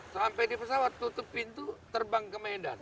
sampai di pesawat tutup pintu terbang ke medan